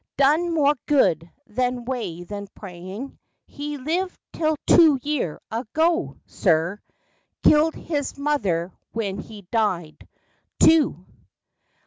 Done more good that way than prayin'. He lived till two year ago, sir; Killed his mother when he died, too."